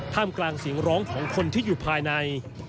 กลางเสียงร้องของคนที่อยู่ภายใน